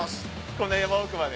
こんな山奥まで。